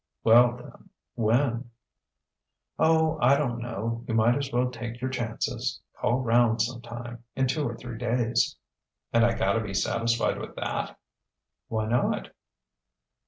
"Well, then, when?" "Oh, I don't know; you might as well take your chances call round sometime in two or three days." "And I got to be satisfied with that?" "Why not?"